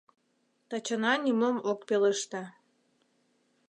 Тачана нимом ок пелеште.